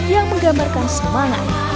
yang menggambarkan semangat